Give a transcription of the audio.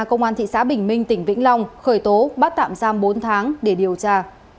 công an thị xã bình minh tỉnh vĩnh long khởi tố bắt tạm giam bốn tháng để điều tra